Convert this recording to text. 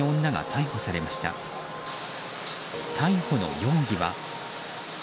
逮捕の容疑は。